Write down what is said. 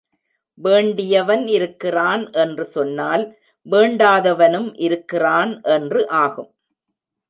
வேண்டியவன் இருக்கிறான் என்று சொன்னால் வேண்டாதவனும் இருக்கிறான் என்று ஆகும்.